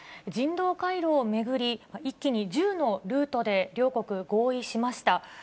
人道回廊を巡り、一気に１０のルートで両国合意しました。